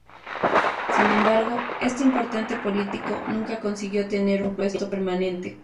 Sin embargo este importante político nunca consiguió tener un puesto permanente.